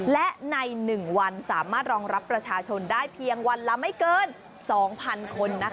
และใน๑วันสามารถรองรับประชาชนได้เพียงวันละไม่เกิน๒๐๐๐คน